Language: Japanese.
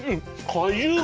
果汁が。